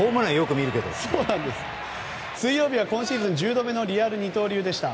水曜日は今シーズン１０度目のリアル二刀流でした。